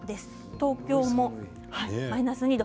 東京もマイナス２度。